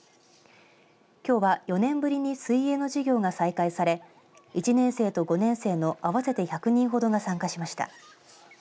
きょうは４年ぶりに水泳の授業が再開され１年生と５年生の合わせて１００人ほどが参加しました。